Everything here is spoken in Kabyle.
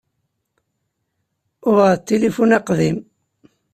Uɣeɣ-d tilifun aqdim.